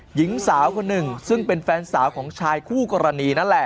หญิงสาวคนหนึ่งซึ่งเป็นแฟนสาวของชายคู่กรณีนั่นแหละ